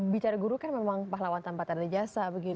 bicara guru kan memang pahlawan tanpa tanda jasa begitu